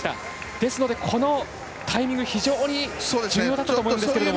ですので、このタイミング非常に重要だったと思うんですけれども。